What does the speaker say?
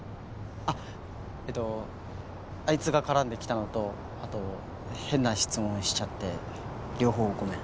あっえーっとあいつが絡んできたのとあと変な質問しちゃって両方ごめん。